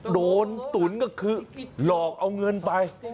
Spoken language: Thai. ตุ๋นก็คือหลอกเอาเงินไป